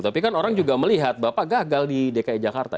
tapi kan orang juga melihat bapak gagal di dki jakarta